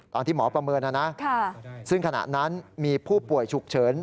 ตอนที่หมอประเมินนะนะซึ่งขณะนั้นมีผู้ป่วยฉุกเฉิน